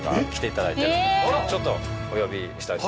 ちょっとお呼びしたいと。